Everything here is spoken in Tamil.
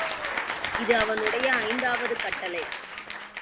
இது அவனுடைய ஐந்தாவது கட்டளை.